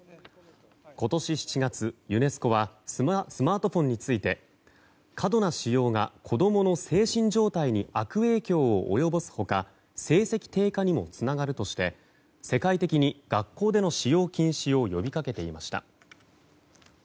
今年７月、ユネスコはスマートフォンについて過度な使用が、子供の精神状態に悪影響を及ぼす他成績低下にもつながるとして世界的に学校での使用禁止を呼びかけていました。